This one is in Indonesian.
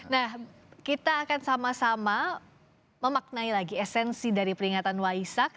nah kita akan sama sama memaknai lagi esensi dari peringatan waisak